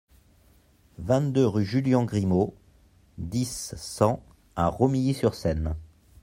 vingt-deux rue Julian Grimau, dix, cent à Romilly-sur-Seine